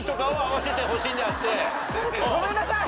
ごめんなさい！